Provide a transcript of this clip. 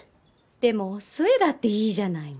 でもお寿恵だっていいじゃないの。